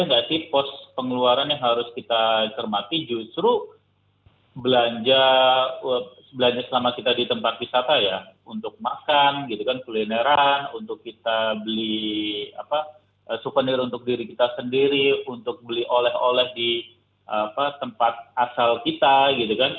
nggak sih pos pengeluaran yang harus kita cermati justru belanja selama kita di tempat wisata ya untuk makan gitu kan kulineran untuk kita beli souvenir untuk diri kita sendiri untuk beli oleh oleh di tempat asal kita gitu kan